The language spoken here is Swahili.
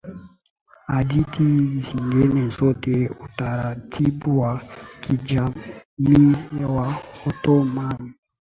hadithi zingine zote Utaratibu wa kijamii wa Ottoman